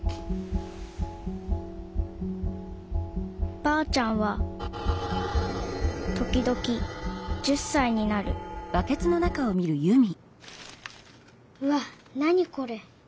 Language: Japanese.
ばあちゃんは時々１０さいになるうわっ何これ。